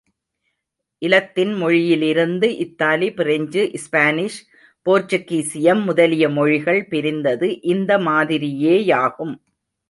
இலத்தின் மொழியிலிருந்து, இத்தாலி, French, Spanish, போர்ச்சுகீசியம் முதலிய மொழிகள் பிரிந்தது இந்த மாதிரியே யாகும்.